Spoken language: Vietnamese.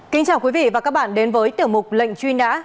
kính chào quý vị và các bạn đến với tiểu mục lệnh truy nã